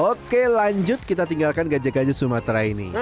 oke lanjut kita tinggalkan gajah gajah sumatera ini